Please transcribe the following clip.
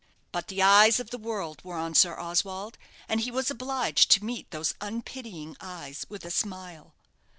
But the eyes of the world were on Sir Oswald, and he was obliged to meet those unpitying eyes with a smile.